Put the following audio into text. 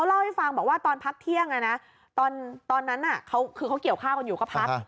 เล่าให้ฟังบอกว่าตอนพักเที่ยงตอนนั้นคือเขาเกี่ยวข้าวกันอยู่ก็พัก